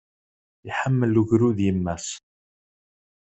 Iḥemmel ugrud yemma-s.